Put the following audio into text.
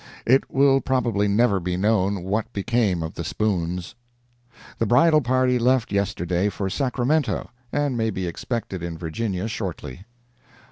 It will probably never be known what became of the spoons. The bridal party left yesterday for Sacramento, and may be expected in Virginia shortly.